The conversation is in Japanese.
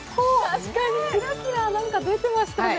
確かにキラキラ何か出てましたね。